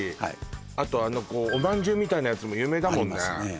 あとあのおまんじゅうみたいなやつも有名だもんね